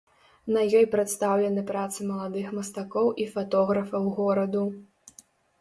На ёй прадстаўлены працы маладых мастакоў і фатографаў гораду.